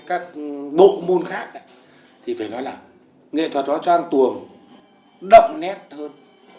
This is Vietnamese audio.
các bộ môn khác thì phải nói là nghệ thuật tỏa trang tuồng đậm nét hơn